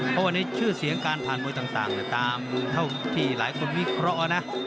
เพราะวันนี้ชื่อเสียงการผ่านมวยต่างตามเท่าที่หลายคนวิเคราะห์นะ